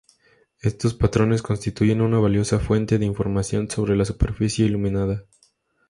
Estos patrones constituyen una valiosa fuente de información sobre la superficie iluminada.